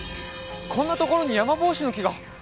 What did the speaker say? こんな所にヤマボウシの木が。